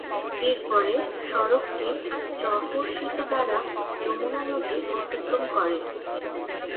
এর পরে সড়কটি জহর সেতু দ্বারা যমুনা নদী অতিক্রম করে।